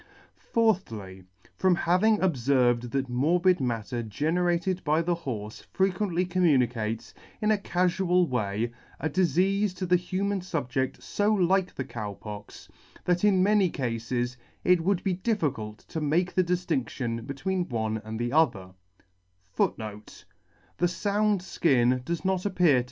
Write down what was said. Fourthly. From having obferved that morbid matter generated by the horfe frequently communicates, in a cafual way, a difeafe to the human fubjedt fo like the Cow Pox, that in many cafes it would be difficult to make the difiin&ion between one and the ether t*.